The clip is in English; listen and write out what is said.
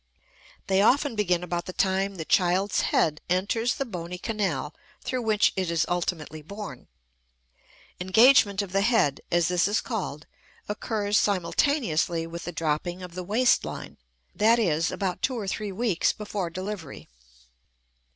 They often begin about the time the child's head enters the bony canal through which it is ultimately born; engagement of the head, as this is called, occurs simultaneously with the dropping of the waist line, that is, about two or three weeks before delivery.